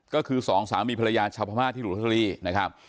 ก็คือสองสามีภรรยาชาวพระม่าที่หรูทกรีย์นะครับ